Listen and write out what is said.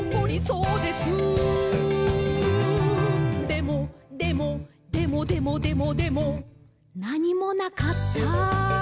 でも、でも、でもでもでもでも」「なにもなかった！」